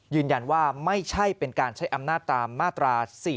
ไม่ใช่เป็นการใช้อำนาจตามมาตรา๔๔